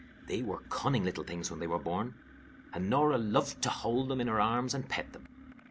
They were cunning little things when they were born, and Norah loved to hold them in her arms and pet them.